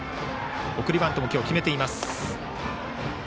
送りバントも今日決めています。